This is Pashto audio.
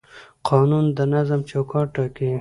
قانون د نظم چوکاټ ټاکي